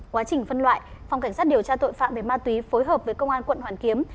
quá trình phân loại phòng cảnh sát điều tra tội phạm về ma túy phối hợp với công an quận hoàn kiếm